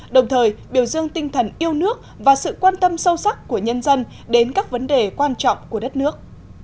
đồng thời biểu dương tinh thần yêu nước và sự quan tâm sâu sắc của nhân dân đến các vấn đề quan trọng của đất nước